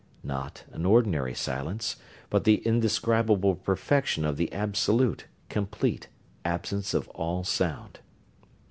Not an ordinary silence, but the indescribable perfection of the absolute, complete absence of all sound.